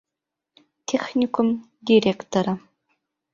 Техникум директоры.